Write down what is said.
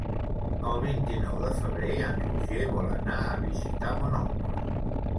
El vint-i-nou de febrer en Roger vol anar a visitar mon oncle.